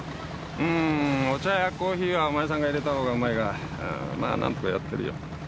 うーんお茶やコーヒーはお前さんがいれたほうがうまいがまあなんとかやってるよ